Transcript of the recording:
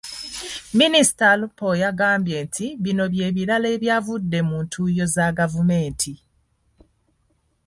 Minisita Alupo yagambye nti bino by'ebibala ebivudde mu ntuuyo za gavumenti.